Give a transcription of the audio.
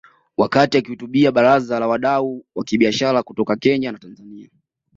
Wakati akihutubia baraza la wadau wa kibiashara kutoka Kenya na Tanzania